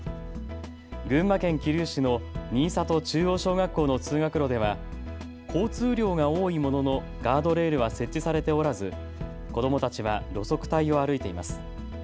群馬県桐生市の新里中央小学校の通学路では交通量が多いもののガードレールは設置されておらず子どもたちは路側帯を歩いています。